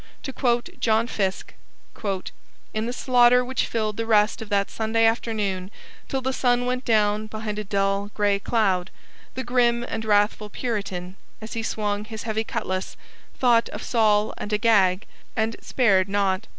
To quote John Fiske: 'In the slaughter which filled the rest of that Sunday afternoon till the sun went down behind a dull gray cloud, the grim and wrathful Puritan, as he swung his heavy cutlass, thought of Saul and Agag, and spared not.